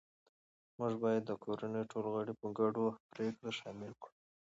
موږ باید د کورنۍ ټول غړي په ګډو پریکړو شامل کړو